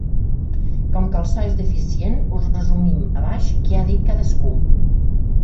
Com que el so és deficient, us resumim a baix què ha dit cadascú.